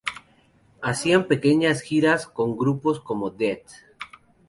Hacían pequeñas giras con grupos como Death.